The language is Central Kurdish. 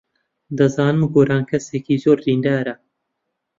دەزانم گۆران کەسێکی زۆر دیندارە.